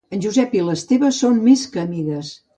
En Josep i l'Esteve són més que amigues.